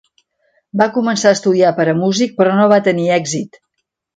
Va començar a estudiar per a músic però no va tenir èxit.